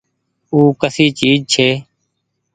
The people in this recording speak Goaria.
او ڪسي چئيز ڇي۔